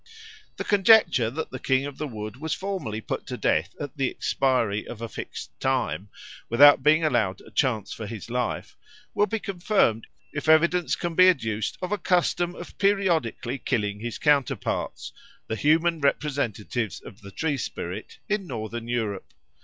The conjecture that the King of the Wood was formerly put to death at the expiry of a fixed term, without being allowed a chance for his life, will be confirmed if evidence can be adduced of a custom of periodically killing his counterparts, the human representatives of the tree spirit, in Northern Europe.